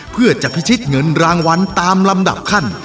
เพื่อจะพิชิตเงินรางวัลตามลำดับขั้น